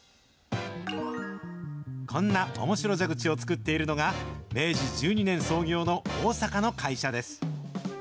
こんなおもしろ蛇口を作っているのが、明治１２年創業の大阪の会社です。